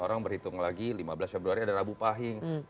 orang berhitung lagi lima belas februari ada rabu pahing